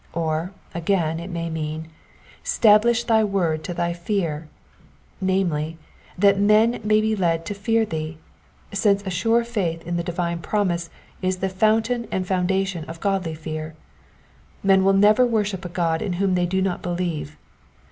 Or, again, it may mean —Stablish thy word to thy fear," namely, that men may be led to fear thee ; since a sure faith in the divine promise is the fountain and foundation of godly fear. Men will never worship a God in whom they do not believe.